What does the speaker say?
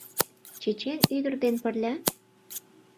Чечен ӱдыр ден пырля?..»